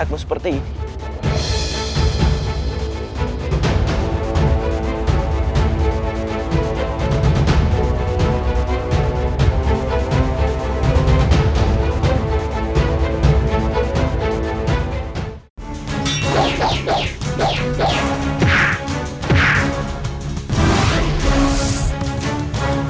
untuk memohon maaf